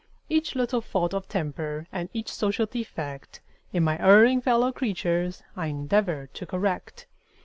Each little fault of temper and each social defect In my erring fellow creatures, I endeavor to correct.